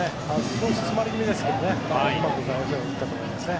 少し詰まり気味ですけどうまく振ったと思いますね。